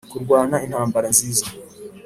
kurwana intambara nziza